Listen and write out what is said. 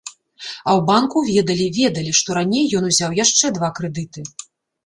А ў банку ведалі, ведалі, што раней ён узяў яшчэ два крэдыты.